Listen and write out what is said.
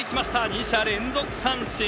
２者連続三振！